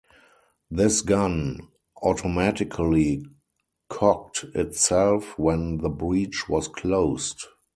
This gun automatically cocked itself when the breech was closed.